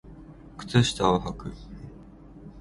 靴下をはく